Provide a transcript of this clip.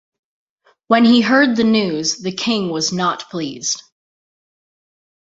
When he heard the news, the King was not pleased.